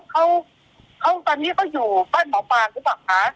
เขาตอนนี้เขาอยู่บ้านหมอปลาหรือเปล่าคะ